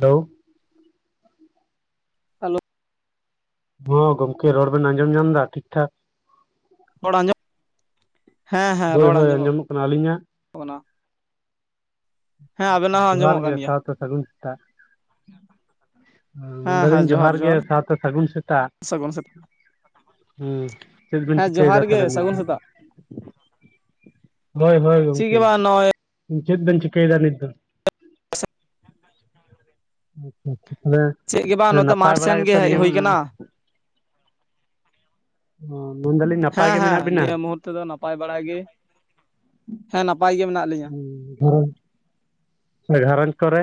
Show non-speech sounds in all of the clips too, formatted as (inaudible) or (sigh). Hello. Hello. ᱦᱚᱸ ᱜᱚᱢᱠᱮ ᱨᱚᱲ ᱵᱮᱱ ᱟᱸᱡᱚᱢ ᱧᱟᱢ ᱮᱫᱟ ᱴᱷᱤᱠ ᱴᱷᱟᱠ ᱾ ᱨᱚᱲ ᱟᱸᱡᱚᱢ ᱦᱮᱸ ᱦᱮᱸ ᱦᱳᱭ ᱨᱚᱲ ᱦᱳᱭ ᱟᱸᱡᱚᱢᱚᱜ ᱠᱟᱱᱟ ᱟᱹᱞᱤᱧᱟᱜ ᱠᱟᱱᱟ ᱾ ᱦᱚᱸ ᱡᱚᱦᱟᱨ ᱟᱸᱡᱚᱢᱚᱜ ᱜᱮ ᱠᱟᱱ ᱜᱮᱭᱟ ᱥᱟᱶᱛᱮ ᱥᱟᱹᱜᱩᱱ ᱥᱮᱛᱟᱜ ᱾ ᱢᱮᱱᱫᱟᱞᱤᱧ ᱡᱚᱦᱟᱨ ᱜᱮ ᱥᱟᱶᱛᱮ ᱥᱟᱹᱜᱩᱱ ᱥᱮᱛᱟᱜ ᱾ ᱥᱟᱹᱜᱩᱱ ᱥᱮᱛᱟᱜ ᱦᱩᱸ ᱪᱮᱫ ᱵᱮᱱ ᱦᱮᱸ ᱡᱚᱦᱟᱨ ᱪᱤᱠᱟᱹᱭᱮᱫᱟ ᱜᱮ ᱛᱟᱦᱚᱞᱮ ᱱᱤᱛ ᱥᱟᱹᱜᱩᱱ ᱥᱮᱛᱟᱜ ᱦᱳᱭ ᱦᱳᱭ ᱪᱮᱫ ᱜᱚᱝᱠᱮ ᱜᱮ ᱵᱟᱝ ᱱᱚᱜᱼᱚᱭ ᱪᱮᱫ ᱵᱮᱱ ᱪᱤᱠᱟᱹᱭᱮᱫᱟ ᱱᱤᱛ ᱫᱚ (unintelligible) ᱛᱟᱦᱚᱞᱮ ᱪᱮᱫ ᱜᱮ ᱵᱟᱝ ᱱᱚᱛᱮ ᱱᱟᱯᱟᱭ ᱢᱟᱴᱷ ᱵᱟᱲᱟ ᱥᱮᱱ ᱜᱮ ᱜᱮᱛᱚ ᱦᱮᱡ ᱱᱤᱭᱟᱹ ᱦᱩᱭ ᱠᱟᱱᱟ ᱚ ᱢᱮᱱ ᱮᱫᱟᱞᱤᱧ ᱱᱟᱯᱟᱭ ᱜᱮ ᱢᱮᱱᱟᱜ ᱵᱤᱱᱟ ᱱᱤᱛᱚᱜ ᱫᱚ ᱱᱟᱯᱟᱭ ᱵᱟᱲᱟᱭ ᱜᱮ ᱦᱮᱸ ᱱᱟᱯᱟᱭ ᱜᱮ ᱢᱮᱱᱟᱜ ᱞᱮᱭᱟ (unintelligible) ᱥᱮ ᱜᱷᱟᱨᱚᱸᱧᱡᱽ ᱠᱚᱨᱮ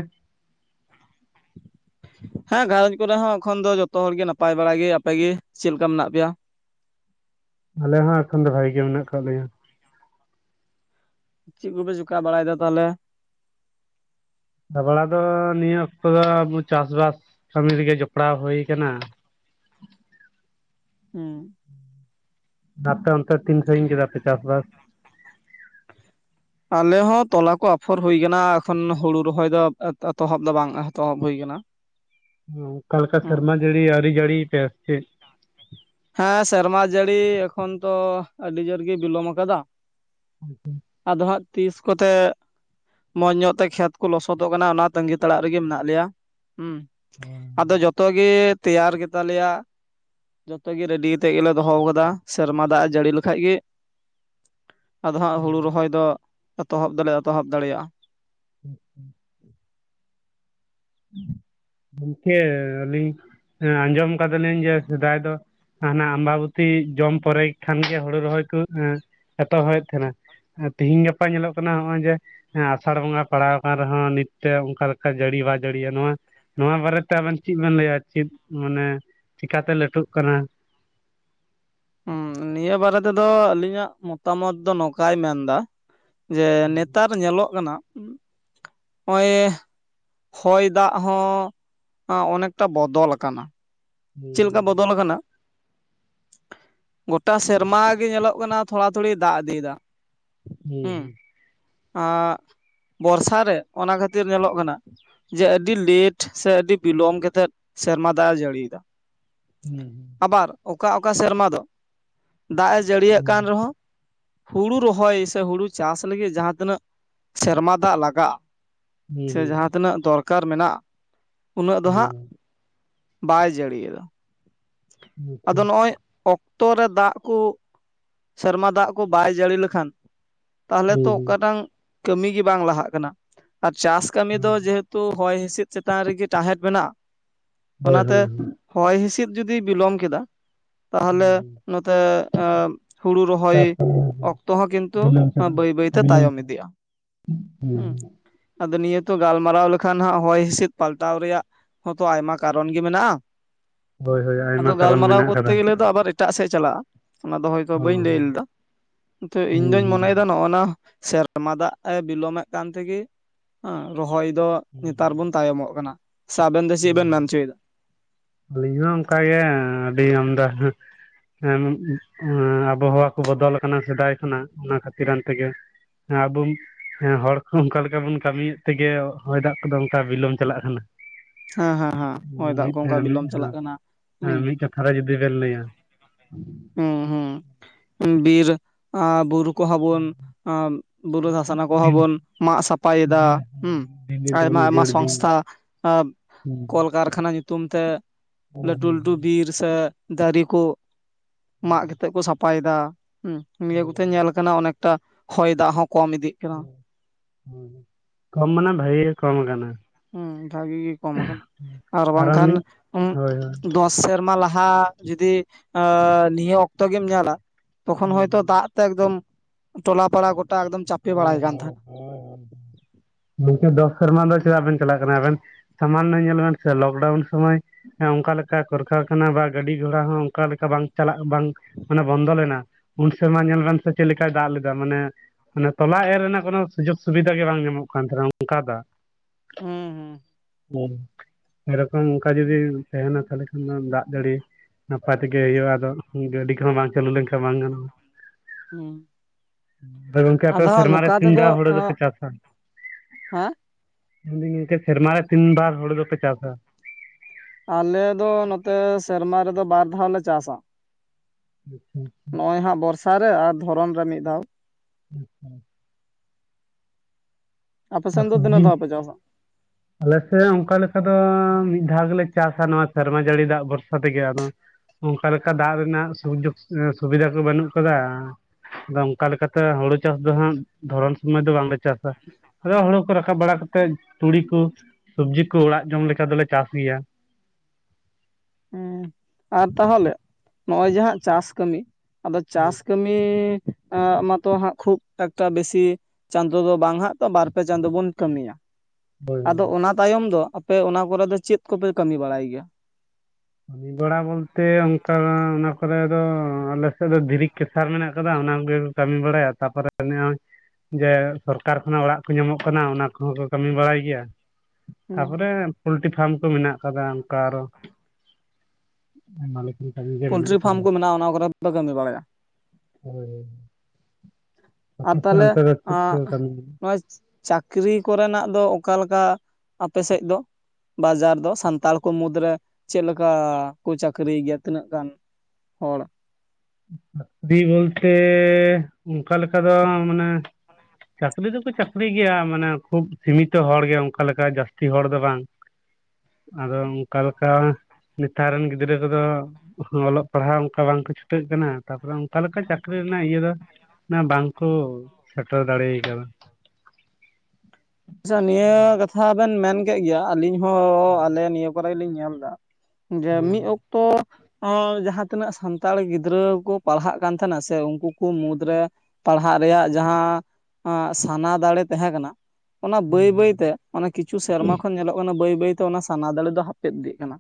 ᱦᱮᱸ ᱜᱸᱷᱟᱨᱚᱡᱽᱨᱮ ᱦᱚᱸ ᱮᱠᱷᱚᱱ ᱫᱚ ᱡᱚᱛᱚ ᱦᱚᱲ ᱜᱮ ᱱᱟᱯᱟᱭ ᱵᱟᱲᱟᱭ ᱜᱮ ᱟᱯᱮ ᱜᱮ ᱪᱮᱫ ᱞᱮᱠᱟ ᱢᱮᱱᱟᱜ ᱯᱮᱭᱟ ᱟᱞᱮ ᱦᱚᱸ ᱮᱠᱷᱚᱱ ᱫᱚ ᱵᱷᱟ. ᱜᱮ ᱜᱮ ᱢᱮᱱᱟᱜ ᱟᱠᱟᱫ ᱞᱮᱭᱟ ᱪᱮᱫ ᱠᱚᱯᱮ ᱪᱤᱠᱟᱹ ᱵᱟᱲᱟᱭ ᱫᱟ ᱛᱟᱦᱚᱞᱮ ᱵᱟᱵᱲᱟ ᱫᱚ ᱱᱤᱭᱟᱹ ᱚᱠᱛᱚ ᱫᱚ ᱟᱵᱚ ᱪᱟᱥᱵᱟᱥ ᱠᱟᱹᱢᱤ ᱨᱮᱜᱮ ᱡᱚᱯᱲᱟᱣ ᱦᱩᱭ ᱠᱟᱱᱟ ᱦᱩᱸ ᱟᱯᱮ ᱚᱱᱛᱮ ᱛᱤᱱ ᱥᱟ. ᱜᱤᱧ ᱠᱮᱫᱟᱯᱮ ᱪᱟᱥᱵᱟᱥ ᱟᱞᱮᱦᱚ ᱛᱚᱞᱟ ᱠᱚ ᱟᱯᱷᱚᱨ ᱦᱩᱭ ᱠᱟᱱᱟ ᱮᱠᱷᱚᱱ ᱦᱩᱲᱩ ᱨᱚᱦᱚᱭ ᱫᱚ ᱮᱛᱚᱦᱚᱵ ᱫᱚ ᱵᱟᱝ ᱮᱛᱚᱦᱚᱵ ᱦᱩᱭᱩ ᱟᱠᱟᱱᱟ ᱚᱝᱠᱟ ᱞᱮᱠᱟ ᱥᱮᱨᱢᱟ ᱡᱟ. ᱲᱤ ᱟ. ᱣᱨᱤ ᱡᱟᱹᱲᱤ ᱛᱟᱭᱟ ᱥᱮ ᱪᱮᱫ ᱦᱮᱸ ᱥᱮᱨᱢᱟ ᱡᱟᱹᱲᱤ ᱮᱠᱷᱚᱱ ᱛᱚ ᱟᱹᱰᱤ ᱡᱳᱨ ᱜᱮ ᱵᱤᱞᱚᱢ ᱟᱠᱟᱫᱟ (inaudible) ᱟᱫᱚ ᱦᱟᱸᱜ ᱛᱤᱥ ᱠᱚᱛᱮ ᱢᱚᱸᱡᱽ ᱧᱚᱜ ᱛᱮ ᱠᱷᱮᱛ ᱠᱚ ᱞᱚᱥᱚᱫᱚᱜ ᱠᱟᱱᱟ ᱚᱱᱟ ᱛᱟᱸᱜᱤ ᱛᱟᱲᱟᱜ ᱨᱮᱜᱮ ᱢᱮᱱᱟᱜ ᱞᱮᱭᱟ ᱦᱩᱸ ᱟᱫᱚ ᱡᱚᱛᱚ ᱜᱮ ᱛᱮᱭᱟᱨ ᱜᱮᱛᱟᱞᱮᱭᱟ ᱡᱚᱛᱚ ᱜᱮ ᱨᱮᱰᱤ ᱠᱟᱛᱮᱫ ᱜᱮᱞᱮ ᱫᱚᱦᱚ ᱟᱠᱟᱫᱟ ᱥᱮᱨᱢᱟ ᱫᱟᱜ ᱮ ᱡᱟᱹᱲᱤ ᱞᱮᱠᱷᱟᱡ ᱜᱮ ᱟᱫᱚ ᱦᱟᱸᱜ ᱦᱩᱲᱩ ᱨᱚᱦᱚᱭ ᱫᱚ ᱮᱛᱚᱦᱚᱵ ᱫᱚᱞᱮ ᱮᱛᱚᱦᱚᱵ ᱫᱟᱲᱮᱭᱟᱜᱼᱟ (inaudible) ᱜᱚᱢᱠᱮ ᱟᱹᱞᱤᱧ ᱟᱸᱡᱚᱢ ᱠᱟᱫᱟᱞᱤᱧ ᱡᱮ ᱥᱮᱫᱟᱭ ᱫᱚ ᱦᱟᱱᱟ ᱟᱢᱵᱟᱵᱛᱤ ᱡᱚᱢ ᱯᱚᱨᱮ ᱠᱷᱟᱱᱜᱮ ᱦᱩᱲᱩ ᱨᱚᱦᱚᱭ ᱠᱚ ᱮᱛᱚᱦᱚᱵᱮᱫ ᱛᱟᱦᱮᱸᱱᱟ ᱛᱤᱦᱮᱧ ᱜᱟᱯᱟ ᱧᱮᱞᱚᱜ ᱠᱟᱱᱟ ᱦᱚᱸᱜᱼᱚᱭ ᱡᱮ ᱦᱮᱸ ᱟᱥᱟᱲ ᱵᱚᱸᱜᱟ ᱯᱟᱲᱟᱣ ᱟᱠᱟᱱ ᱨᱮᱦᱚᱸ ᱱᱤᱛ ᱛᱮ ᱚᱱᱠᱟ ᱞᱮᱠᱟ ᱡᱟᱹᱲᱤ ᱵᱟᱭ ᱡᱟ. ᱲᱤᱭᱟ ᱱᱚᱣᱟ ᱱᱚᱣᱟ ᱵᱟᱨᱮᱛᱮ ᱟᱵᱮᱱ ᱪᱮᱫ ᱵᱮᱱ ᱞᱟᱹᱭᱟ ᱪᱮᱫ ᱢᱟᱱᱮ ᱪᱤᱠᱟᱛᱮ ᱞᱟᱹᱴᱩᱜ ᱠᱟᱱᱟ ᱦᱩᱸᱱᱤᱭᱟᱹ ᱵᱟᱨᱮ ᱛᱮᱫᱚ ᱟᱞᱤᱧᱟᱜ ᱢᱚᱛᱟᱢᱚᱛ ᱫᱚ ᱱᱚᱝᱠᱟᱭ ᱢᱮᱱ ᱫᱟ ᱡᱮ ᱱᱮᱛᱟᱨ ᱧᱮᱞᱚᱜ ᱠᱟᱱᱟ ᱱᱚᱜᱼᱚᱭ ᱦᱚᱭ ᱫᱟᱜ ᱦᱚᱸ ᱚᱱᱮᱠᱴᱟ ᱵᱚᱫᱚᱞ ᱠᱟᱱᱟ ᱦᱩᱸ ᱪᱮᱫ ᱞᱮᱠᱟ ᱦᱩᱸ ᱵᱚᱫᱚᱞ ᱠᱟᱱᱟ ᱜᱚᱴᱟ ᱥᱮᱨᱢᱟ ᱜᱮ ᱧᱮᱞᱚᱜ ᱠᱟᱱᱟ ᱛᱷᱚᱲᱟ ᱛᱷᱚᱲᱤ ᱫᱟᱜ ᱤᱫᱤᱭᱮᱫᱟ ᱦᱮᱸ ᱦᱮᱸ ᱟᱜ ᱵᱚᱨᱥᱟ ᱨᱮ ᱚᱱᱟ ᱠᱷᱟᱹᱛᱤᱨ ᱧᱮᱞᱚᱜ ᱠᱟᱱᱟ ᱡᱮ ᱟᱹᱰᱤ ᱞᱮᱴ ᱥᱮ ᱟᱹᱰᱤ ᱵᱤᱞᱚᱢ ᱠᱟᱛᱮᱜ ᱥᱮᱨᱢᱟ ᱫᱟᱜ ᱮ ᱡᱟᱹᱲᱤᱭᱮᱫᱟ ᱦᱮᱸ ᱦᱩᱸ ᱟᱵᱟᱨ ᱚᱠᱟ ᱚᱠᱟ ᱥᱮᱨᱢᱟ ᱫᱚ ᱫᱟᱜᱼᱮ ᱡᱟᱹᱲᱤᱭᱟᱜ ᱦᱩᱸ ᱠᱟᱱ ᱨᱮᱦᱚᱸ ᱦᱩᱲᱩ ᱨᱚᱦᱚᱭ ᱥᱮ ᱦᱩᱲᱩ ᱪᱟᱥ ᱞᱟᱹᱜᱤᱫ ᱡᱟᱦᱟᱸ ᱡᱟᱦᱟᱸ ᱛᱤᱱᱟᱹᱜ ᱥᱮᱨᱢᱟ ᱫᱟᱜ ᱞᱟᱜᱟᱜᱼᱟ ᱦᱩᱸ ᱦᱩᱸ ᱥᱮ ᱦᱩᱸ ᱡᱟᱦᱟᱸ ᱛᱤᱱᱟᱹᱜ ᱫᱚᱨᱠᱟᱨ ᱢᱮᱱᱟᱜᱼᱟ ᱩᱱᱟᱹᱜ ᱫᱚ ᱦᱳᱭ ᱦᱟᱸᱜ ᱦᱳᱭ ᱵᱟᱭ ᱡᱟ. ᱲᱤ ᱮᱫᱟ ᱦᱩᱸ ᱟᱫᱚ ᱦᱩᱸ ᱱᱚᱜᱼᱚᱭ ᱚᱠᱛᱚ ᱨᱮ ᱫᱟᱜ ᱠᱚ ᱥᱮᱨᱢᱟ ᱫᱟᱜ ᱠᱚ ᱵᱟᱭ ᱡᱟᱹᱲᱤ ᱞᱮᱠᱷᱟᱱ ᱛᱟᱦᱚᱞᱮ ᱛᱚ ᱦᱩᱸ ᱚᱠᱟᱴᱟᱝ ᱠᱟᱹᱢᱤᱜᱮ ᱵᱟᱝ ᱞᱟᱦᱟᱜ ᱠᱟᱱᱟ ᱟᱨ ᱪᱟᱥ ᱠᱟᱹᱢᱤ ᱫᱚ ᱡᱮᱦᱛᱩ ᱛᱩ ᱦᱚᱭ ᱦᱤᱸᱥᱤᱫ ᱪᱮᱛᱟᱱ ᱨᱮᱜᱮ ᱴᱮᱸᱦᱟᱰ ᱢᱮᱱᱟᱜᱼᱟ ᱦᱳᱭ ᱚᱱᱟᱛᱮ ᱦᱳᱭ ᱦᱚᱭ ᱦᱤᱸᱥᱤᱫ ᱥᱤᱫ ᱡᱩᱫᱤᱭ ᱵᱤᱞᱚᱢ ᱠᱮᱫᱟ (inaudible) ᱛᱟᱦᱚᱞᱮ ᱱᱚᱛᱮ ᱮ ᱦᱩᱲᱩ ᱨᱚᱦᱚᱭ ᱪᱟᱥ ᱠᱟᱹᱢᱤ ᱚᱠᱛᱚ ᱦᱚᱸ ᱠᱤᱱ ᱛᱩ ᱵᱤᱞᱚᱢ ᱵᱟᱹᱭ ᱵᱟᱹᱭᱛᱮ ᱛᱟᱭᱚᱢ ᱤᱫᱤᱜᱼᱟ ᱦᱩᱸ (unintelligible) ᱟᱫᱚ ᱱᱤᱭᱟᱹ ᱛᱚ ᱜᱟᱞᱢᱟᱨᱟᱣ ᱞᱮᱠᱷᱟᱱ ᱦᱟᱜ ᱦᱚᱭ ᱦᱤᱸᱥᱤᱫ ᱯᱟᱞᱴᱟᱣ ᱨᱮᱭᱟᱜ ᱦᱚᱛᱚ ᱟᱭᱢᱟ ᱠᱟᱨᱚᱱ ᱜᱮ ᱢᱮᱱᱟᱜᱼᱟ ᱦᱳᱭ ᱦᱳᱭ ᱟᱫᱚ ᱟᱭᱢᱟ ᱠᱟᱨᱚᱱ ᱜᱟᱞᱢᱟᱨᱟᱣ ᱢᱮᱱᱟᱜ ᱠᱚᱨᱛᱮ ᱟᱠᱟᱫᱟ ᱜᱮᱞᱮ ᱛᱚ ᱟᱵᱟᱨ ᱮᱴᱟᱜ ᱥᱮᱫ ᱪᱟᱞᱟᱜᱼᱟ ᱚᱱᱟ ᱫᱚ ᱦᱚᱭ ᱛᱚ ᱵᱟᱹᱧ ᱦᱚᱸ ᱞᱟᱹᱭ ᱞᱮᱫᱟ ᱠᱤᱱᱛᱩ ᱤᱧ ᱦᱩᱸ ᱫᱚᱧ ᱦᱩᱸ ᱢᱚᱱᱮᱫᱟ ᱱᱚᱜ ᱚᱭ ᱱᱚᱣᱟ ᱥᱮᱨᱢᱟ ᱫᱟᱜ ᱮ ᱵᱤᱞᱚᱢᱮᱫ ᱠᱟᱱ ᱛᱮᱜᱮ ᱦᱮᱸ ᱨᱚᱦᱚᱭ ᱫᱚ ᱱᱮᱛᱟᱨ ᱵᱚᱱ ᱛᱟᱭᱚᱢᱚᱜ ᱠᱟᱱᱟ ᱥᱮ ᱟᱵᱮᱱ ᱫᱚ ᱪᱮᱫ ᱦᱳᱭ ᱵᱮᱱ ᱢᱮᱱ ᱦᱚᱪᱚᱭᱫᱟ ᱟᱹᱞᱤᱧ ᱦᱚᱸ ᱚᱱᱠᱟᱜᱮ ᱟᱹᱰᱤ ᱟᱢᱫᱟ ᱦᱮᱸ ᱟᱵᱚᱦᱟᱣᱟ ᱠᱚ ᱵᱚᱫᱚᱞ ᱟᱠᱟᱱᱟ ᱥᱮᱫᱟᱭ ᱠᱷᱚᱱᱟᱜ ᱚᱱᱟ ᱠᱷᱟᱹᱛᱤᱨᱟᱱ ᱛᱮᱜᱮ ᱦᱮ ᱟᱵᱚ ᱦᱮᱸ ᱦᱚᱲ ᱠᱚ ᱚᱱᱠᱟ ᱞᱮᱠᱟ ᱵᱚᱱ ᱠᱟᱹᱢᱤᱭᱮᱫ ᱛᱮᱜᱮ ᱦᱚᱭ ᱫᱟᱜ ᱠᱚᱫᱚ ᱚᱱᱠᱟ ᱵᱤᱞᱚᱢ ᱪᱟᱞᱟᱜ ᱠᱟᱱᱟ ᱦᱮᱸ ᱦᱮᱸ ᱦᱮᱸ ᱦᱚᱭ ᱫᱟᱜ ᱢᱤᱫ ᱠᱚ ᱚᱱᱠᱟ ᱵᱤᱞᱚᱢ ᱪᱟᱞᱟᱜ ᱠᱟᱱᱟ ᱦᱩᱸ ᱟᱨᱦᱚ ᱡᱩᱫᱤ ᱵᱮᱱ ᱞᱮᱭᱟ ᱦᱩᱸ ᱦᱩᱸ ᱵᱤᱨ ᱟᱨ ᱵᱩᱨᱩ ᱠᱚᱦᱚᱸ ᱵᱚᱱ ᱵᱩᱨᱩᱟᱹ ᱫᱷᱟᱥᱱᱟ ᱠᱚᱦᱚᱸ ᱫᱤᱱ ᱵᱚᱱ ᱢᱟᱜ ᱥᱟᱯᱷᱟᱭᱮᱫᱟ ᱩᱡᱟᱹᱲ ᱦᱮᱸ ᱫᱤᱱ ᱫᱤᱱ ᱛᱮᱵᱚᱱ ᱟᱭᱢᱟ ᱟᱭᱢᱟ ᱩᱡᱟᱹᱲ ᱫᱤᱱ ᱥᱚᱝᱥᱛᱷᱟ ᱟᱜ ᱦᱩᱸ, ᱠᱚᱞ ᱠᱟᱨᱠᱷᱟᱱᱟ ᱧᱩᱛᱩᱢ ᱛᱮ ᱦᱩᱸ, ᱞᱟᱹᱴᱩ ᱦᱩᱸ, ᱞᱟᱹᱴᱩ ᱦᱩᱸ, ᱵᱤᱨ ᱥᱮ ᱫᱟᱨᱮ ᱠᱚ ᱢᱟᱜ ᱦᱩᱸ, ᱠᱟᱛᱮᱜ ᱠᱚ ᱥᱟᱯᱷᱟᱭᱮᱫᱟ ᱦᱮᱸ ᱱᱤᱭᱟᱹ ᱦᱳᱭ, ᱠᱚᱛᱮ ᱦᱳᱭ, ᱧᱮᱞ ᱠᱟᱱᱟ ᱚᱱᱮᱠᱴᱟ ᱦᱚᱭ ᱫᱟᱜ ᱦᱚᱸ ᱠᱚᱢ ᱤᱫᱤᱜ ᱠᱟᱱᱟ ᱠᱚᱢ ᱢᱟᱱᱮ ᱵᱷᱟᱹᱜᱤ ᱠᱚᱢ ᱠᱟᱱᱟ ᱦᱩᱸ ᱵᱷᱟᱜᱤ ᱜᱮ ᱠᱚᱢ ᱟᱠᱟᱱᱟ ᱟᱨ ᱟᱨᱚ ᱵᱟᱝᱠᱷᱟᱱ ᱢᱤᱫ ᱩᱫ ᱦᱳᱭ, ᱦᱳᱭ, ᱫᱚᱥ ᱥᱮᱨᱢᱟ ᱞᱟᱦᱟ ᱡᱩᱫᱤ ᱱᱤᱭᱟᱹ ᱚᱠᱛᱚ ᱜᱮᱢ ᱧᱮᱞᱟ ᱛᱚᱠᱷᱚᱱ ᱦᱩᱸ, ᱦᱚᱭᱛᱚ ᱦᱩᱸ, ᱫᱟᱜ ᱮᱠᱫᱚᱢ ᱴᱚᱞᱟ ᱯᱟᱲᱟ ᱜᱚᱴᱟ ᱮᱠᱫᱚᱢ ᱪᱟᱯᱮ ᱦᱳᱭ, ᱵᱟᱲᱟᱭ ᱠᱟᱱ ᱛᱟᱦᱮᱸ ᱦᱳᱭ, ᱦᱳᱭ, ᱦᱳᱭ, ᱜᱚᱝᱠᱮ ᱫᱚᱥ ᱥᱮᱨᱢᱟ ᱫᱚ ᱪᱮᱫᱟᱜ ᱵᱮᱱ ᱪᱟᱞᱟᱜ ᱠᱟᱱᱟ ᱟᱵᱮᱱ ᱥᱟᱢᱟᱱᱚ ᱧᱮᱞ ᱵᱮᱱ ᱥᱮ ᱞᱚᱠᱰᱟᱣᱩᱱ ᱥᱚᱢᱚᱭ ᱚᱱᱠᱟ ᱞᱮᱠᱟ ᱠᱚᱨᱠᱟᱨᱠᱷᱟᱱᱟ ᱵᱟ ᱜᱟᱹᱰᱤ ᱜᱷᱚᱲᱟ ᱦᱚᱸ ᱚᱱᱠᱟᱞᱠᱟ ᱵᱟᱝ ᱪᱟᱞᱟᱜ ᱵᱟᱝ ᱢᱟᱱᱮ ᱵᱚᱱᱫᱚ ᱞᱮᱱᱟ ᱩᱱ ᱥᱮᱨᱢᱟ ᱧᱮᱞ ᱵᱮᱱ ᱥᱮ ᱪᱮᱫ ᱞᱮᱠᱟᱭ ᱫᱟᱜ ᱞᱮᱫᱟ ᱢᱟᱱᱮ ᱢᱟᱱᱮ ᱛᱚᱞᱟ ᱮᱨ ᱨᱮᱱᱟᱜ ᱠᱳᱱᱳ ᱥᱩᱡᱳᱜᱽ ᱥᱩᱵᱤᱫᱷᱟ ᱜᱮ ᱵᱟᱝ ᱧᱟᱢᱚᱜ ᱠᱟᱱ ᱛᱟᱦᱮᱱᱟ ᱚᱱᱠᱟ ᱫᱟᱜ ᱦᱮᱸ ᱦᱮᱸ ᱥᱮᱨᱚᱠᱚᱢ ᱚᱱᱠᱟ ᱡᱩᱚᱫᱤ ᱛᱟᱦᱮᱱᱟ ᱛᱟᱦᱚᱞᱮ ᱠᱷᱟᱱ ᱫᱚ ᱫᱟᱜ ᱡᱟᱹᱲᱤ ᱱᱟᱯᱟᱭ ᱛᱮᱜᱮ ᱦᱩᱭᱩᱜᱼᱟ ᱟᱫᱚ ᱜᱟᱹᱰᱤ ᱠᱚᱦᱚᱸ ᱵᱟᱝ ᱪᱟᱹᱞᱩ ᱞᱮᱱᱠᱷᱟᱱ ᱵᱟᱝ ᱜᱟᱱᱚᱜᱼᱟ ᱦᱮᱸ ᱟᱫᱚ ᱜᱚᱝᱠᱮ ᱟᱯᱮ ᱥᱮᱨᱢᱟᱨᱮ ᱛᱤᱱ ᱫᱷᱟᱣ ᱦᱩᱲᱩ ᱫᱚᱯᱮ ᱪᱟᱥᱟ ᱦᱮ ᱢᱮᱱᱫᱟᱹᱧ ᱜᱚᱠᱮ ᱥᱮᱨᱢᱟᱨᱮ ᱛᱤᱱ ᱵᱟᱨ ᱦᱳᱲᱳ ᱫᱚᱯᱮ ᱪᱟᱥᱟ ᱟᱞᱮ ᱫᱚ ᱱᱚᱛᱮ ᱥᱮᱨᱢᱟ ᱨᱮᱫᱚ ᱵᱟᱨ ᱫᱷᱟᱣᱞᱮ ᱪᱟᱥᱟ ᱟᱪᱷᱟ ᱱᱚᱜ ᱚᱭ ᱦᱟᱸᱜ ᱵᱚᱨᱥᱟ ᱨᱮ ᱟᱨ ᱫᱷᱚᱨᱚᱱ ᱨᱮ ᱢᱤᱫ ᱫᱷᱟᱣ ᱟᱪᱷᱟ ᱟᱯᱮ ᱥᱮᱱ ᱫᱚ ᱛᱤᱱᱟᱹᱜ ᱥᱚᱵᱡᱤ ᱫᱷᱟᱣ ᱯᱮ ᱪᱟᱥᱟ ᱟᱞᱮᱥᱮᱫ ᱚᱱᱠᱟ ᱞᱮᱠᱟ ᱫᱚ ᱢᱤᱫ ᱫᱷᱟᱣ ᱜᱮᱞᱮ ᱪᱟᱥᱟ ᱱᱚᱣᱟ ᱥᱮᱨᱢᱟ ᱡᱟᱹᱲᱤ ᱫᱟᱜ ᱵᱷᱚᱨᱥᱟ ᱛᱮᱜᱮ ᱟᱫᱚ ᱚᱱᱠᱟ ᱞᱮᱠᱟ ᱫᱟᱜ ᱨᱮᱱᱟᱜ ᱥᱩᱡᱚᱜᱽ ᱥᱩᱵᱤᱫᱷᱟ ᱠᱚ ᱵᱟᱹᱱᱩᱜ ᱠᱟᱫᱟ ᱟᱫᱚ ᱚᱱᱠᱟ ᱞᱮᱠᱟᱛᱮ ᱦᱩᱲᱩ ᱪᱟᱥ ᱫᱚ ᱦᱟᱜ ᱫᱷᱚᱨᱚᱱ ᱥᱩᱢᱟᱹᱭ ᱫᱚ ᱵᱟᱝᱞᱮ ᱪᱟᱥᱟ ᱦ ᱨᱚ ᱦᱩᱲᱩ ᱠᱚ ᱨᱟᱠᱟᱵ ᱵᱟᱲᱟ ᱠᱟᱛᱮᱫ ᱛᱩᱲᱤ ᱠᱚ ᱥᱚᱵᱡᱤ ᱠᱚ ᱚᱲᱟᱜ ᱡᱚᱢ ᱞᱮᱠᱟ ᱫᱚᱞᱮ ᱪᱟᱥ ᱜᱮᱭᱟ ᱦᱮᱸ ᱟᱨ ᱛᱟᱦᱚᱞᱮ ᱱᱚᱜᱚᱭ ᱡᱟᱦᱟᱸ ᱪᱟᱥ ᱠᱟᱹᱢᱤ ᱟᱫᱚ ᱪᱟᱥ ᱠᱟᱹᱢᱤ ᱮᱸ ᱟᱸ ᱢᱟᱛᱚ ᱦᱟᱸᱜ ᱠᱷᱩᱵ ᱮᱠᱴᱟ ᱵᱮᱥᱤ ᱪᱟᱸᱫᱚ ᱫᱚ ᱵᱟᱝ ᱦᱟᱸᱜ ᱛᱚ ᱵᱟᱨ ᱯᱮ ᱪᱟᱸᱫᱚ ᱵᱚᱱ ᱠᱟᱹᱢᱤᱭᱟ ᱟᱫᱚ ᱦᱳᱭ ᱚᱱᱟ ᱛᱟᱭᱚᱢ ᱫᱚ ᱟᱯᱮ ᱚᱱᱟ ᱠᱚᱨᱮ ᱫᱚ ᱪᱮᱫ ᱠᱚᱯᱮ ᱠᱟᱹᱢᱤ ᱵᱟᱲᱟᱭ ᱜᱮᱭᱟ ᱠᱟᱢᱤ ᱵᱟᱲᱟ ᱵᱚᱞᱛᱮ ᱚᱱᱠᱟ ᱚᱱᱟ ᱠᱚᱨᱮ ᱫᱚ ᱟᱞᱮᱥᱮᱫ ᱫᱚ ᱫᱷᱤᱨᱤ ᱠᱮᱥᱟᱨ ᱢᱮᱱᱟᱜ ᱠᱟᱫᱟ ᱚᱱᱟ ᱠᱚᱜᱮ ᱠᱟᱹᱢᱤ ᱵᱟᱲᱟᱭᱟ ᱛᱟᱨᱯᱚᱨᱮ ᱱᱚᱭ ᱡᱮ ᱥᱚᱨᱠᱟᱨ ᱠᱷᱚᱱᱟᱜ ᱚᱲᱟᱜ ᱠᱚ ᱧᱟᱢᱚᱜ ᱠᱟᱱᱟ ᱚᱱᱟ ᱠᱚᱦᱚᱸ ᱠᱚ ᱠᱟᱹᱢᱤ ᱵᱟᱲᱟᱭ ᱜᱮᱭᱟ ᱦᱩᱸ ᱛᱟᱯᱚᱨᱮ ᱯᱳᱞᱴᱤ ᱯᱷᱟᱨᱢ ᱠᱚ ᱢᱮᱱᱟᱜ ᱠᱟᱫᱟ ᱚᱱᱠᱟ ᱟᱨᱦᱚ ᱢᱟᱞᱚ ᱯᱳᱞᱴᱨᱤ ᱯᱷᱟᱨᱢ ᱠᱚ ᱢᱮᱱᱟᱜᱼᱟ ᱚᱱᱟ ᱠᱚᱨᱮ ᱞᱮ ᱠᱟᱹᱢᱤ ᱵᱟᱲᱟᱭᱟ ᱦᱳᱭ ᱟᱨ ᱟᱯᱮ ᱥᱮᱫ ᱛᱟᱦᱚᱞᱮ ᱚᱱᱛᱮ ᱫᱚ ᱟ ᱪᱮᱫ ᱠᱚ ᱠᱟᱹᱢᱤ ᱱᱚᱜᱼᱚᱭ ᱪᱟᱹᱠᱨᱤ ᱠᱚᱨᱮᱱᱟᱜ ᱫᱚ ᱚᱠᱟ ᱞᱮᱠᱟ ᱟᱯᱮ ᱥᱮᱫ ᱫᱚ ᱵᱟᱡᱟᱨ ᱫᱚ ᱥᱟᱱᱛᱟᱲ ᱠᱚ ᱢᱩᱫᱽ ᱨᱮ ᱪᱮᱫ ᱞᱮᱠᱟ ᱠᱚ ᱪᱟᱹᱠᱨᱤᱭ ᱜᱮᱭᱟ ᱛᱤᱱᱟᱹᱜ ᱜᱟᱱ ᱦᱚᱲ ᱫᱤ ᱵᱚᱞᱛᱮ ᱚᱱᱠᱟ ᱞᱮᱠᱟ ᱫᱚ ᱢᱟᱱᱮ ᱪᱟᱹᱠᱨᱤ ᱫᱚᱠᱚ ᱪᱟᱹᱠᱨᱤ ᱜᱮᱭᱟ ᱢᱟᱱᱮ ᱠᱷᱩᱵ ᱥᱤᱢᱤᱛᱚ ᱦᱚᱲ ᱜᱮ ᱚᱱᱠᱟ ᱞᱮᱠᱟ ᱡᱟᱹᱥᱛᱤ ᱦᱚᱲ ᱫᱚ ᱵᱟᱝ ᱟᱫᱚ ᱚᱱᱠᱟᱞᱮᱠᱟ ᱱᱮᱛᱟᱨ ᱨᱮᱱ ᱜᱤᱫᱽᱨᱟᱹ ᱠᱚᱫᱚ ᱚᱞᱚᱜ ᱯᱟᱲᱦᱟᱜ ᱚᱱᱠᱟ ᱵᱟᱝᱪᱷ ᱪᱷᱩᱴᱟᱹᱜ ᱠᱟᱱᱟ ᱛᱟᱯᱚᱨᱮ ᱚᱱᱠᱟ ᱞᱮᱠᱟ ᱪᱟᱹᱠᱨᱤ ᱨᱮᱱᱟᱜ ᱤᱭᱟᱹ ᱫᱚ ᱵᱟᱝᱠᱚ ᱥᱮᱴᱮᱨ ᱫᱟᱲᱮᱭ ᱠᱟᱫᱟ ᱟᱪᱷᱟ ᱱᱤᱭᱟᱹ ᱠᱟᱛᱷᱟ ᱵᱮᱱ ᱢᱮᱱ ᱠᱮᱫ ᱜᱮᱭᱟ ᱟᱞᱤᱧ ᱦᱚᱸ ᱟᱞᱮ ᱱᱤᱭᱟᱹ ᱠᱚᱨᱮ ᱞᱤᱧ ᱧᱮᱞ ᱞᱮᱫᱟ ᱡᱮ ᱦᱳᱭ ᱢᱤᱫ ᱦᱳᱭ ᱚᱠᱛᱚ ᱡᱟᱦᱟᱸ ᱛᱤᱱᱟᱹᱜ ᱥᱟᱱᱛᱟᱲ ᱜᱤᱫᱽᱨᱟᱹ ᱠᱚ ᱯᱟᱲᱦᱟᱜ ᱠᱟᱱ ᱛᱟᱦᱮᱱᱟ ᱥᱮ ᱩᱱᱠᱩ ᱠᱚ ᱢᱩᱫᱽᱨᱮ ᱯᱟᱲᱦᱟᱜ ᱨᱮᱭᱟᱜ ᱡᱟᱦᱟᱸ ᱥᱟᱱᱟ ᱫᱟᱲᱮ ᱛᱟᱦᱮᱸ ᱠᱟᱱᱟ ᱚᱱᱟ ᱵᱟᱹᱭ ᱵᱟᱹᱭᱛᱮ ᱚᱱᱮ ᱠᱤᱪᱷᱩ ᱥᱮᱨᱢᱟ ᱠᱷᱚᱱ ᱧᱮᱞᱚᱜ ᱠᱟᱱᱟ ᱵᱟᱹᱭ ᱵᱟᱹᱭᱛᱮ ᱚᱱᱟ ᱥᱟᱱᱟ ᱫᱟᱲᱮ ᱫᱚ ᱦᱟᱯᱮᱫ ᱤᱫᱤᱜ ᱠᱟᱱᱟ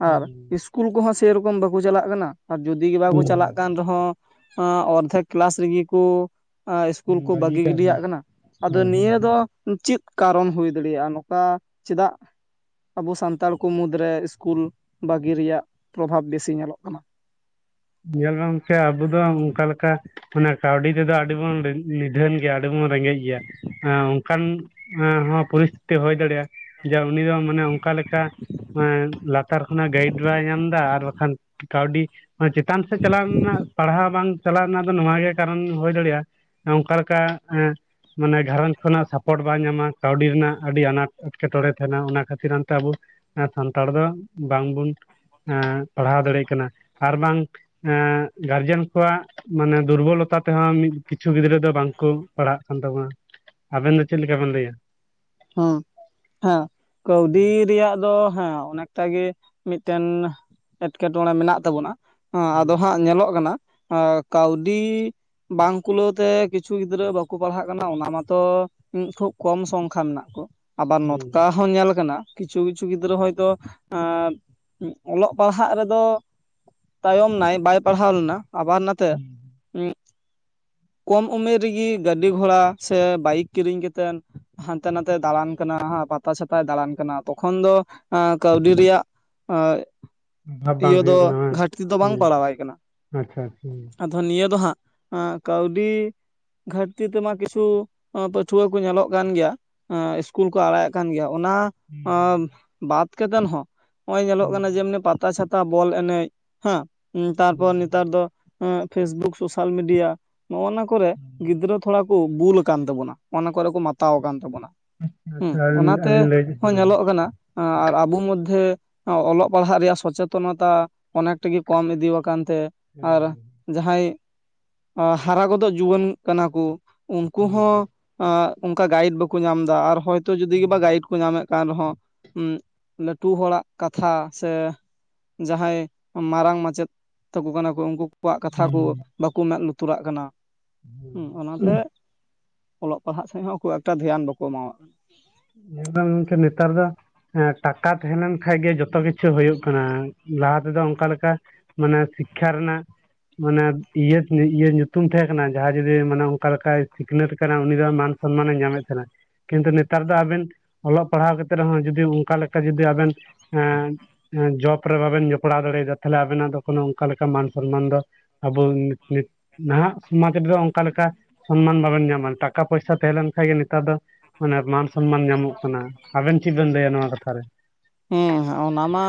ᱟᱨ ᱦᱩᱸ ᱤᱥᱠ ᱤᱥᱠᱩᱞ ᱠᱚᱦᱚᱸ ᱥᱮᱨᱚᱠᱚᱢ ᱵᱟᱠᱚ ᱪᱟᱞᱟᱜ ᱠᱟᱱᱟ ᱟᱨ ᱡᱩᱫᱤ ᱜᱮ ᱵᱟᱠᱚ ᱦᱩᱸ ᱪᱟᱞᱟᱜ ᱠᱟᱱᱟ ᱠᱟᱱ ᱨᱮᱦᱚᱸ ᱚᱨᱫᱷᱮᱠ ᱠᱮᱞᱟᱥ ᱨᱮᱜᱮ ᱠᱚ ᱤᱥᱠᱩᱞ ᱠᱚ ᱵᱟᱹᱜᱤ ᱜᱤᱰᱤᱭᱟᱜ ᱠᱟᱱᱟ ᱟᱫᱚ ᱦᱳᱭ ᱦᱳᱭ ᱱᱤᱭᱟᱹ ᱫᱚ ᱪᱮᱫ ᱠᱟᱨᱚᱱ ᱦᱩᱭ ᱫᱟᱲᱮᱭᱟᱜᱼᱟ ᱱᱚᱝᱠᱟ ᱪᱮᱫᱟᱜ ᱟᱵᱚ ᱥᱟᱱᱛᱟᱲ ᱠᱚ ᱢᱩᱫᱽ ᱨᱮ ᱥᱠᱩᱞ ᱵᱟᱹᱜᱤ ᱨᱮᱭᱟᱜ ᱯᱨᱚᱵᱷᱟᱵ ᱵᱮᱥᱤ ᱧᱮᱞᱚᱜ ᱠᱟᱱᱟ ᱧᱮᱞ ᱜᱚᱝᱠᱮ ᱟᱵᱚ ᱫᱚ ᱚᱱᱠᱟ ᱞᱮᱠᱟ ᱚᱱᱟ ᱠᱟᱹᱣᱰᱤ ᱛᱮᱫᱚ ᱟᱹᱰᱤᱵᱚᱱ ᱩᱛᱷᱟᱹᱱ ᱜᱮᱭᱟ ᱟᱹᱰᱤᱵᱚᱱ ᱨᱮᱸᱜᱮᱡ ᱜᱮᱭᱟ ᱮ ᱚᱱᱠᱟᱱ ᱦᱚᱸ ᱯᱚᱨᱤᱥᱛᱷᱤᱛᱤ ᱦᱳᱭ ᱫᱟᱲᱮᱭᱟᱜᱼᱟ ᱡᱮ ᱩᱱᱤ ᱫᱚ ᱢᱟᱱᱮ ᱚᱱᱠᱟ ᱞᱮᱠᱟ ᱞᱟᱛᱟᱨ ᱠᱷᱚᱱᱟᱜ ᱜᱟᱭᱤᱰ ᱵᱟᱭ ᱧᱟᱢ ᱮᱫᱟ ᱟᱨ ᱵᱟᱠᱷᱟᱱ ᱠᱟᱹᱣᱰᱤ ᱪᱮᱛᱟᱱ ᱥᱮᱫ ᱪᱟᱞᱟᱣ ᱨᱮᱱᱟᱜ ᱯᱟᱲᱦᱟᱣ ᱵᱟᱝ ᱪᱟᱞᱟᱜ ᱨᱮᱱᱟᱜ ᱫᱚ ᱱᱚᱶᱟ ᱜᱮ ᱠᱟᱨᱚᱱ ᱦᱩᱭ ᱫᱟᱲᱮᱭᱟᱜᱼᱟ ᱚᱱᱠᱟ ᱞᱮᱠᱟ ᱢᱟᱱᱮ ᱜᱷᱟᱨᱚᱸᱡᱽ ᱠᱷᱚᱱᱟᱜ ᱥᱟᱯᱳᱴ ᱵᱟᱭ ᱧᱟᱢᱟ ᱠᱟᱹᱣᱰᱤ ᱨᱮᱱᱟᱜ ᱟᱹᱰᱤ ᱟᱱᱟᱴ ᱮᱴᱠᱮᱴᱚᱬᱮ ᱛᱟᱦᱮᱱᱟ ᱚᱱᱟ ᱠᱷᱟᱹᱛᱤᱨᱛᱮ ᱟᱵᱚ ᱥᱟᱱᱛᱟᱲ ᱫᱚ ᱵᱟᱝ ᱵᱚᱱ ᱯᱟᱲᱦᱟᱣ ᱫᱟᱲᱮᱭᱟᱜ ᱠᱟᱱᱟ ᱟᱨ ᱵᱟᱝ ᱜᱟᱨᱡᱮᱱ ᱠᱚᱣᱟᱜ ᱢᱟᱱᱮ ᱫᱩᱨᱵᱚᱞᱚᱛ ᱛᱮᱦᱚᱸ ᱢᱤᱫ ᱠᱤᱪᱷᱩ ᱜᱤᱫᱽᱨᱟᱹ ᱫᱚ ᱵᱟᱝᱠᱚ ᱯᱟᱲᱦᱟᱜ ᱠᱟᱱ ᱛᱟᱵᱚᱱᱟ ᱾ ᱟᱵᱮᱱ ᱫᱚ ᱪᱮᱫ ᱞᱮᱠᱟ ᱵᱮᱱ ᱞᱟᱹᱭᱟ? ᱦᱚᱸ ᱦᱮᱸ ᱠᱟᱹᱣᱰᱤ ᱨᱮᱭᱟᱜ ᱫᱚ ᱦᱮᱸ ᱚᱱᱮᱠᱴᱟ ᱜᱮ ᱢᱤᱫ ᱴᱮᱱ ᱮᱸᱴᱠᱮᱴᱚᱬᱮ ᱢᱮᱱᱟᱜ ᱛᱟᱵᱚᱱᱟ ᱟᱫᱚ ᱦᱩᱸ ᱦᱟᱸᱜ ᱮ ᱧᱮᱞᱚᱜ ᱠᱟᱱᱟ ᱠᱟᱹᱣᱰᱤ ᱵᱟᱝ ᱠᱩᱞᱟᱹᱣᱛᱮ ᱠᱤᱪᱷᱩ ᱜᱤᱫᱽᱨᱟᱹ ᱵᱟᱠᱚ ᱯᱟᱲᱦᱟᱜ ᱠᱟᱱᱟ ᱚᱱᱟ ᱢᱟᱛᱚ ᱠᱷᱩᱵ ᱠᱚᱢ ᱥᱚᱝᱠᱷᱟ ᱢᱮᱱᱟᱜᱼᱟ ᱟᱵᱟᱨ ᱦᱩᱸ ᱱᱚᱛᱠᱟ ᱦᱚᱸ ᱧᱮᱞ ᱠᱟᱱᱟ ᱠᱤᱪᱷᱩ ᱠᱤᱪᱷᱩ ᱜᱤᱫᱽᱨᱟᱹ ᱦᱚᱭᱛᱚ ᱟᱸ ᱚᱞᱚᱜ ᱯᱟᱲᱦᱟᱜ ᱨᱮᱫᱚ ᱛᱟᱭᱚᱢ ᱱᱟᱭ ᱵᱟᱹᱭ ᱯᱟᱲᱦᱟᱣ ᱞᱮᱱᱟ ᱟᱵᱟᱨ ᱱᱟᱛᱮ ᱦᱩᱸ ᱠᱚᱢ ᱩᱢᱮᱨ ᱨᱮᱜᱤ ᱜᱟᱹᱰᱤ ᱜᱷᱚᱲᱟ ᱥᱮ ᱵᱟᱭᱤᱠ ᱠᱤᱨᱤᱧ ᱠᱟᱛᱮᱱ ᱦᱟᱱᱛᱮ ᱱᱟᱛᱮᱭ ᱫᱟᱬᱟᱱ ᱠᱟᱱᱟ ᱯᱟᱛᱟ ᱪᱷᱟᱛᱟᱭ ᱫᱟᱬᱟᱱ ᱠᱟᱱᱟ ᱛᱚᱠᱷᱚᱱ ᱫᱚ ᱠᱟᱹᱣᱰᱤ ᱨᱮᱭᱟᱜ ᱮᱸ ᱚᱵᱷᱟᱵ ᱵᱟᱝ ᱤᱭᱟᱹ ᱫᱚ ᱦᱩᱭᱩᱜ ᱠᱟᱱᱟ ᱵᱟᱝ ᱜᱷᱟᱴᱛᱤ ᱫᱚ ᱵᱟᱝ ᱦᱩᱸ ᱯᱟᱲᱟᱣᱟᱭ ᱠᱟᱱᱟ ᱟᱪᱪᱷᱟ ᱟᱪᱪᱷᱟ ᱦᱩᱸ ᱟ ᱱᱤᱭᱟᱹ ᱫᱚ ᱦᱟᱸᱜ ᱠᱟᱹᱣᱰᱤ ᱜᱷᱟᱴᱛᱤ ᱛᱮᱢᱟ ᱠᱤᱪᱷᱩ ᱯᱟᱹᱴᱷᱣᱟᱹ ᱠᱚ ᱧᱮᱞᱚᱜ ᱠᱟᱱ ᱜᱮᱭᱟ ᱤᱥᱠᱩᱞ ᱠᱚ ᱟᱲᱟᱜ ᱮᱫ ᱠᱟᱱ ᱜᱮᱭᱟ ᱚᱱᱟ ᱦᱩᱸ ᱵᱟᱛ ᱠᱟᱛᱮᱱ ᱦᱚᱸ ᱱᱚᱜᱼᱚᱭ ᱧᱮᱞᱚᱜ ᱦᱩᱸ ᱠᱟᱱᱟ ᱡᱮᱢᱱᱤ ᱯᱟᱛᱟ ᱪᱷᱟᱛᱟ ᱵᱚᱞ ᱮᱱᱮᱡ ᱦᱮᱸ ᱦᱩᱸ ᱛᱟᱨᱯᱚᱨ ᱱᱮᱛᱟᱨ ᱫᱚ ᱯᱷᱮᱥᱵᱩᱠ ᱥᱳᱥᱟᱞ ᱢᱤᱰᱤᱭᱟ ᱱᱚᱜᱱᱟ ᱠᱚᱨᱮ ᱦᱩᱸ ᱦᱩᱸ ᱜᱤᱫᱽᱨᱟᱹ ᱛᱷᱚᱲᱟ ᱠᱚ ᱠᱚ ᱵᱩᱞ ᱟᱠᱟᱱ ᱛᱟᱵᱚᱱᱟ ᱚᱱᱟ ᱠᱚᱨᱮ ᱠᱚ ᱢᱟᱛᱟᱣ ᱟᱠᱟᱱ ᱛᱟᱵᱚᱱᱟ ᱦᱩᱸ ᱟᱪᱪᱷᱟ ᱟᱹᱞᱤᱧ ᱚᱱᱟᱛᱮ ᱟᱹᱞᱤᱧ ᱞᱟᱹᱭ ᱦᱮᱸ ᱦᱚᱸ ᱧᱮᱞᱚᱜ ᱠᱟᱱᱟ ᱟᱨ ᱟᱵᱚ ᱢᱚᱫᱽᱫᱷᱮᱭ ᱚᱞᱚᱜ ᱯᱟᱲᱦᱟᱜ ᱨᱮᱭᱟᱜ ᱥᱚᱪᱮᱛᱚᱱᱚᱛᱟ ᱚᱱᱮᱠᱴᱮ ᱠᱚᱢ ᱤᱫᱤ ᱟᱠᱟᱱ ᱛᱮ ᱟᱨ ᱡᱟᱦᱟᱸᱭ ᱦᱟᱨᱟ ᱜᱚᱫᱚᱜ ᱡᱩᱣᱟᱹᱱ ᱠᱟᱱᱟ ᱠᱚ ᱩᱱᱠᱩ ᱦᱚᱸ ᱟᱸ ᱚᱱᱠᱟ ᱜᱟᱭᱤᱰ ᱵᱟᱠᱚ ᱧᱟᱢ ᱮᱫᱟ ᱟᱨ ᱦᱚᱭᱛᱚ ᱡᱩᱫᱤ ᱵᱟ ᱜᱟᱭᱤᱰ ᱠᱚ ᱧᱟᱢᱮᱫ ᱟᱨᱦᱚᱸ ᱞᱟᱹᱴᱩ ᱦᱚᱲᱟᱜ ᱠᱟᱛᱷᱟ ᱥᱮ ᱡᱟᱦᱟᱸᱭ ᱢᱟᱨᱟᱝ ᱢᱟᱪᱮᱫ ᱛᱟᱠᱚ ᱠᱟᱱᱟ ᱠᱚ ᱩᱱᱠᱩ ᱟᱠᱚᱣᱟᱜ ᱠᱟᱛᱷᱟ ᱠᱚ ᱵᱟᱠᱚ ᱢᱮᱸᱫ ᱞᱩᱛᱩᱨᱟᱜ ᱠᱟᱱᱟ ᱚᱱᱟᱛᱮ ᱚᱞᱚᱜ ᱯᱟᱲᱦᱟᱜ ᱥᱮᱫ ᱦᱚᱸ ᱠᱷᱩᱵ ᱮᱠᱴᱟ ᱫᱷᱮᱭᱟᱱ ᱵᱟᱠᱚ ᱮᱢᱟᱜ ᱠᱟᱱᱟ ᱧᱮᱞ ᱫᱟᱢ ᱜᱚᱢᱠᱮ ᱱᱮᱛᱟᱨ ᱫᱚ ᱮᱸ ᱴᱟᱠᱟ ᱛᱟᱦᱮᱸ ᱞᱮᱱ ᱠᱷᱟᱱ ᱜᱮ ᱡᱚᱛᱚ ᱠᱤᱪᱷᱩ ᱦᱩᱭᱩᱜ ᱠᱟᱱᱟ ᱞᱟᱦᱟ ᱛᱮᱫᱚ ᱚᱱᱠᱟ ᱞᱮᱠᱟ ᱢᱟᱱᱮ ᱥᱤᱠᱠᱷᱟ ᱨᱮᱱᱟᱜ ᱢᱟᱱᱮ ᱤᱭᱟ ᱤᱭᱟ ᱧᱩᱛᱩᱢ ᱛᱟᱦᱮᱸ ᱠᱟᱱᱟ ᱡᱟᱦᱟᱸᱭ ᱡᱩᱫᱤ ᱢᱟᱱᱮ ᱚᱱᱠᱟ ᱞᱮᱠᱟᱭ ᱥᱤᱠᱷᱱᱟᱹᱛ ᱟᱠᱟᱱᱟ ᱩᱱᱤ ᱫᱚ ᱢᱟᱱ ᱥᱚᱱᱢᱟᱱ ᱮ ᱧᱟᱢᱮᱫ ᱛᱟᱦᱮᱱᱟ ᱠᱤᱱᱛᱩ ᱱᱤᱛ ᱱᱮᱛᱟᱨ ᱫᱚ ᱟᱵᱮᱱ ᱚᱞᱚᱜ ᱯᱟᱲᱦᱟᱣ ᱠᱟ ᱛᱮ ᱨᱮᱦᱚᱸ ᱡᱩᱫᱤ ᱚᱱᱠᱟ ᱞᱮᱠᱟ ᱡᱩᱫᱤ ᱟᱵᱮᱱ ᱮᱸ ᱡᱚᱵ ᱨᱮ ᱵᱟᱵᱮᱱ ᱡᱚᱯᱲᱟᱣ ᱫᱟᱲᱮᱭᱟᱫᱟ ᱛᱟᱦᱞᱮ ᱟᱵᱮᱱᱟᱜ ᱫᱚ ᱠᱚᱱᱚ ᱚᱱᱠᱟ ᱞᱮᱠᱟ ᱢᱟᱱ ᱥᱚᱱᱢᱟᱱ ᱫᱚ ᱟᱵᱚ ᱱᱟᱦᱟᱜ ᱥᱚᱢᱟᱡᱽ ᱨᱮᱫᱚ ᱚᱱᱠᱟ ᱞᱮᱠᱟ ᱥᱚᱱᱢᱟᱱ ᱵᱟᱵᱮᱱ ᱧᱟᱢᱟ ᱴᱟᱠᱟ ᱯᱚᱭᱥᱟ ᱛᱟᱦᱮᱸ ᱞᱮᱱ ᱠᱷᱟᱱ ᱜᱮ ᱱᱮᱛᱟᱨ ᱫᱚ ᱢᱟᱱᱮ ᱥᱚᱱᱢᱟᱱ ᱧᱟᱢᱚᱜ ᱠᱟᱱᱟ ᱟᱵᱮᱱ ᱪᱮᱫ ᱵᱤᱱ ᱞᱟᱹᱭᱟ ᱱᱚᱣᱟ ᱠᱟᱛᱷᱟ ᱨᱮ ᱦᱮᱸ ᱚᱱᱟ ᱢᱟ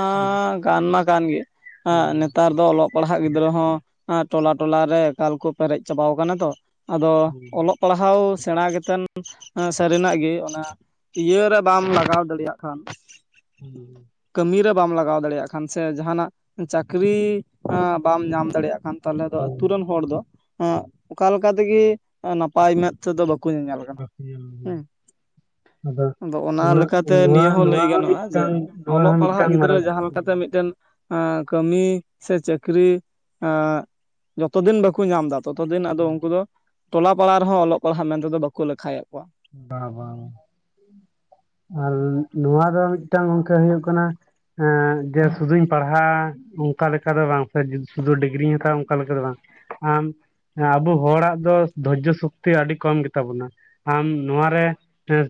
ᱠᱟᱱ ᱢᱟ ᱠᱟᱱ ᱜᱮ ᱦᱮᱸ ᱦᱳᱭ ᱱᱮᱛᱟᱨ ᱚᱞᱚᱜ ᱯᱟᱲᱦᱟᱜ ᱜᱤᱫᱽᱨᱟᱹ ᱦᱚᱸ ᱴᱚᱞᱟ ᱴᱚᱞᱟ ᱨᱮ ᱮᱠᱟᱞ ᱠᱚ ᱯᱮᱨᱮᱡ ᱪᱟᱵᱟ ᱟᱠᱟᱱᱟ ᱛᱚ ᱟᱫᱚ ᱦᱳᱭ ᱚᱞᱚᱜ ᱯᱟᱲᱦᱟᱣ ᱥᱮᱬᱟ ᱠᱟᱛᱮᱱ ᱥᱟᱹᱨᱤᱱᱟᱜ ᱜᱮ ᱚᱱᱟ ᱤᱭᱟᱹ ᱨᱮ ᱵᱟᱢ ᱞᱟᱜᱟᱣ ᱫᱟᱲᱮᱭᱟᱜ ᱠᱷᱟᱱ (inaudible) ᱠᱟᱹᱢᱤ ᱨᱮ ᱵᱟᱢ ᱞᱟᱜᱟᱣ ᱫᱟᱲᱮᱭᱟᱜ ᱠᱷᱟᱱ ᱥᱮ ᱡᱟᱦᱟᱱᱟᱜ ᱪᱟᱹᱠᱨᱤ ᱟᱸ ᱵᱟᱢ ᱧᱟᱢ ᱫᱟᱲᱮᱭᱟᱜ ᱠᱟᱱ ᱛᱟᱦᱞᱮ ᱫᱚ ᱟᱛᱩ ᱨᱮᱱ ᱦᱚᱲ ᱫᱚ ᱟᱸ ᱚᱠᱟ ᱞᱮᱠᱟ ᱛᱮᱜᱮ ᱱᱟᱯᱟᱭ ᱱᱟᱯᱟᱭ ᱢᱮᱫ ᱛᱮᱫᱚ ᱵᱟᱠᱚ ᱧᱮᱧᱮᱞ ᱠᱟᱱᱟ ᱦᱳᱭ ᱦᱳᱭ ᱦᱩᱸ ᱟᱫᱚ ᱚᱱᱟ ᱩᱱᱟᱹᱜ ᱞᱮᱠᱟᱛᱮ ᱱᱚᱣᱟ ᱱᱤᱭᱟᱹ ᱦᱚᱸ ᱱᱚᱣᱟ ᱞᱟᱹᱭ ᱜᱟᱱᱚᱜᱼᱟ ᱡᱮ ᱢᱤᱫᱴᱟᱝ ᱱᱚᱣᱟ ᱚᱞᱚᱜ ᱦᱚᱸ ᱯᱟᱲᱦᱟᱜ ᱢᱤᱫᱴᱟᱝ ᱢᱟᱨᱟᱝ ᱜᱤᱫᱽᱨᱟᱹ ᱡᱟᱦᱟᱸ ᱦᱩᱸ ᱞᱮᱠᱟᱛᱮ ᱢᱤᱫ ᱢᱤᱫᱴᱮᱱ ᱠᱟᱹᱢᱤ ᱥᱮ ᱪᱟᱹᱠᱨᱤ ᱡᱚᱛᱚ ᱫᱤᱱ ᱵᱟᱠᱚ ᱧᱟᱢ ᱮᱫᱟ ᱛᱚᱛᱚ ᱫᱤᱱ ᱟᱫᱚ ᱦᱩᱸ ᱩᱱᱠᱩ ᱫᱚ ᱴᱚᱞᱟ ᱯᱟᱲᱟ ᱨᱮᱦᱚᱸ ᱚᱞᱚᱜ ᱯᱟᱲᱦᱟᱶ ᱢᱮᱱᱛᱮ ᱫᱚ ᱵᱟᱠᱚ ᱞᱮᱠᱷᱟᱭᱮᱫ ᱠᱚᱣᱟ ᱵᱟ ᱵᱟ ᱟᱨ ᱱᱚᱣᱟ ᱫᱚ ᱢᱤᱫᱴᱟᱝ ᱜᱚᱢᱠᱮ ᱦᱩᱭᱩᱜ ᱠᱟᱱᱟ ᱦᱮᱸ ᱡᱮ ᱥᱩᱫᱩᱧ ᱯᱟᱲᱦᱟᱜ ᱚᱱᱠᱟ ᱞᱮᱠᱟ ᱫᱚ ᱵᱟᱝ ᱥᱮ ᱥᱩᱫᱷᱩ ᱰᱤᱜᱽᱨᱤᱧ ᱦᱟᱛᱟᱣᱟ ᱚᱱᱠᱟ ᱞᱮᱠᱟ ᱫᱚ ᱵᱟᱝ ᱟᱢ ᱦᱮᱸ ᱟᱵᱚ ᱦᱚᱲᱟᱜ ᱫᱚ ᱫᱷᱚᱨᱡᱚ ᱥᱚᱠᱛᱤ ᱟᱹᱰᱤ ᱠᱚᱢ ᱜᱮ ᱛᱟᱵᱚᱱᱟ ᱟᱢ ᱱᱚᱣᱟ ᱨᱮ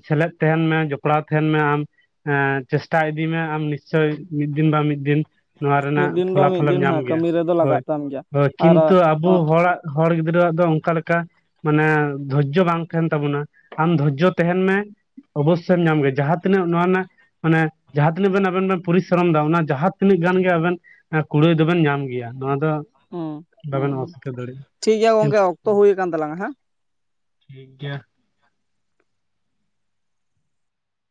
ᱥᱮᱞᱮᱫ ᱛᱟᱦᱮᱱ ᱢᱮ ᱡᱚᱯᱲᱟᱣ ᱛᱟᱦᱮᱱ ᱢᱮ ᱟᱢ ᱦᱮ ᱪᱮᱥᱴᱟ ᱤᱫᱤ ᱢᱮ ᱟᱢ ᱱᱤᱥᱪᱳᱭ ᱢᱤᱫ ᱫᱤᱱ ᱵᱟ ᱢᱤᱫ ᱫᱤᱱ ᱱᱚᱣᱟ ᱢᱤᱫ ᱨᱮᱱᱟᱜ ᱫᱤᱱ ᱵᱟ ᱯᱷᱚᱞᱟ ᱢᱤᱫ ᱯᱷᱚᱞ ᱮᱢ ᱫᱤᱱ ᱧᱟᱢ ᱦᱮᱸ ᱜᱮᱭᱟ ᱠᱟᱹᱢᱤ ᱨᱮᱫᱚ ᱦᱳᱭ ᱞᱟᱜᱟᱜ ᱛᱟᱢ ᱜᱮᱭᱟ ᱦᱳᱭ ᱟᱨ ᱠᱤᱱᱛᱩ ᱟᱵᱚ ᱚᱸ ᱦᱚᱲᱟᱜ ᱦᱚᱲ ᱜᱤᱫᱽᱨᱟᱹᱣᱟᱜ ᱫᱚ ᱚᱱᱠᱟ ᱞᱮᱠᱟ ᱢᱟᱱᱮ ᱫᱷᱳᱨᱡᱚ ᱵᱟᱝ ᱛᱟᱦᱮᱱ ᱛᱟᱵᱚᱱᱟ ᱟᱢ ᱫᱷᱳᱨᱡᱚ ᱛᱟᱦᱮᱱ ᱢᱮ᱾ ᱚᱵᱚᱥᱥᱳᱭᱢ ᱧᱟᱢ ᱜᱮᱭᱟ, ᱡᱟᱦᱟᱸ ᱛᱤᱱᱟᱹᱜ ᱱᱚᱣᱟ ᱨᱮᱱᱟᱜ ᱢᱟᱱᱮ ᱡᱟᱦᱟᱸ ᱛᱤᱱᱟᱹᱜ ᱵᱮᱱ ᱟᱵᱮᱱ ᱵᱮᱱ ᱯᱚᱨᱤᱥᱨᱚᱢ ᱮᱫᱟ, ᱚᱱᱟ ᱡᱟᱦᱟᱸ ᱛᱤᱱᱟᱹᱜ ᱜᱟᱱ ᱜᱮ ᱟᱵᱮᱱ ᱠᱩᱲᱟᱹᱭ ᱫᱚᱵᱮᱱ ᱧᱟᱢ ᱜᱮᱭᱟ ᱱᱚᱣᱟ ᱫᱚ ᱦᱩᱸ ᱵᱟᱵᱮᱱ ᱦᱩᱸ ᱚᱥᱤᱠᱟᱹᱨ ᱫᱟᱲᱮᱭᱟᱜᱼᱟ ᱴᱷᱤᱠᱜᱮᱭᱟ ᱴᱷᱤᱠ ᱜᱚᱝᱠᱮ ᱚᱠᱛᱚ ᱦᱩᱭᱩᱠᱟᱱ ᱛᱟᱞᱟᱝᱟ ᱦᱮᱸ ᱴᱷᱤᱠ ᱜᱮᱭᱟ